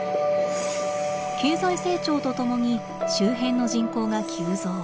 経済成長とともに周辺の人口が急増。